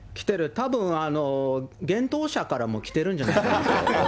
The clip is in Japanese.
たぶん幻冬舎からも来てるんじゃないですか。